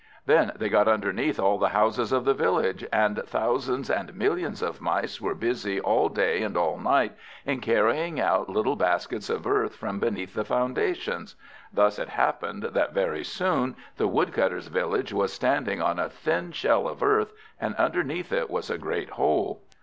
Then they got underneath all the houses of the village; and thousands and millions of Mice were busy all day and all night in carrying out little baskets of earth from beneath the foundations. Thus it happened, that very soon the Woodcutters' village was standing on a thin shell of earth, and underneath it was a great hole.